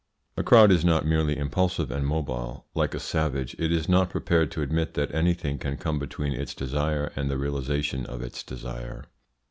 A crowd is not merely impulsive and mobile. Like a savage, it is not prepared to admit that anything can come between its desire and the realisation of its desire.